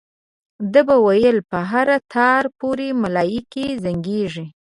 ده به ویل په هر تار پورې ملایکې زنګېږي.